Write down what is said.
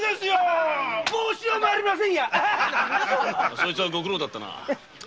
そいつはご苦労だったな。